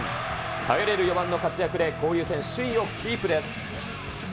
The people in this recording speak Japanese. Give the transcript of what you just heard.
頼れる４番の活躍で交流戦首位をキープです。